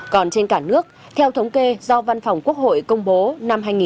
còn trên cả nước theo thống kê do văn phòng quốc hội công ty